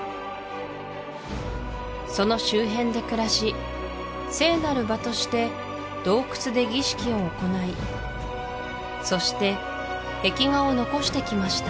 その周辺で暮らし聖なる場として洞窟で儀式を行いそして壁画を残してきました